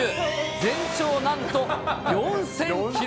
全長なんと４０００キロ。